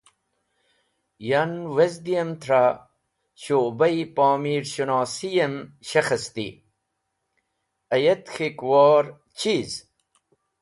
Yan wezdi’m trẽ Shu’ba-e Pomir Shinosiyem shekhesti, ayet K̃hikwor chiz.